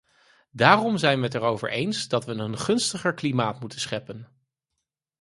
Daarom zijn we het erover eens dat we een gunstiger klimaat moeten scheppen.